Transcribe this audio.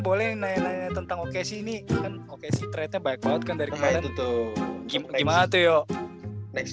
boleh nanya tentang oke sini oke sih teratnya baik banget kan dari kemarin gimana tuh next